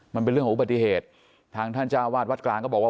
มันเป็นเรื่องของอุบัติเหตุทางท่านเจ้าวาดวัดกลางก็บอกว่า